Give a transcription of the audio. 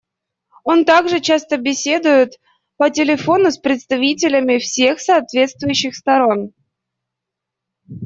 Он также часто беседует по телефону с представителями всех соответствующих сторон.